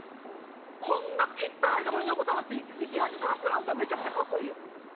こんなきったない所に横たわって、生き恥さらしてるあんた、めちゃくちゃかっこいいよ。